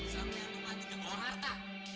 sampai untuk mati dan bawa harta